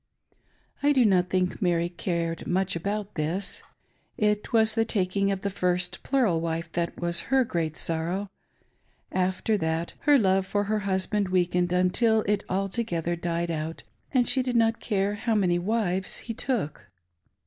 I do not think Mary cared much about this. It was the taking of the first plural wife that was her great sorrow. After that, her love for her husband weakened, until it altogether died out, and she did not care how many wives he took.